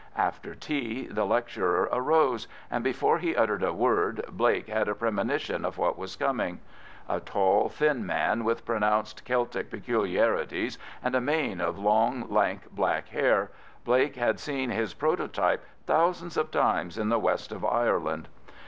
After tea the lecturer arose, and before he uttered a word, Blake had a premonition of what was coming. A tall thin man, with pronounced Celtic peculiarities and a mane of long, lank, black hair, Blake had seen his prototype thousands of times in the west of Ireland.